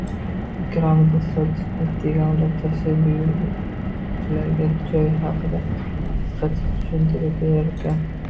Ikromiddin Sirojiddinov degan odam tashrif buyuruvchilarga joy haqida qisqacha tushuntirib berarkan.